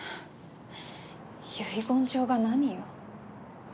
遺言状が何よ。